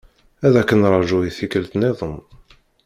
Ad k-nraju i tikkelt-nniḍen.